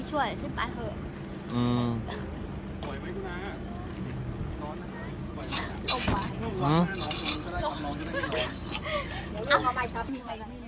สวัสดีครับคุณพลาด